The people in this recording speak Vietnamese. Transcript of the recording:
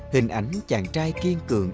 hình ảnh chàng trai kiên cường